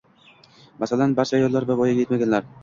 Masalan, barcha ayollar va voyaga etmaganlar